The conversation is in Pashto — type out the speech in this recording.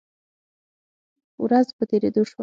ورځ په تیریدو شوه